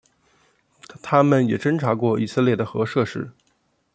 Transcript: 它们也侦察过以色列的核设施。